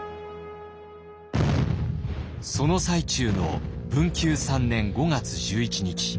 その最中の文久３年５月１１日。